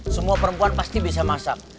semua perempuan pasti bisa masak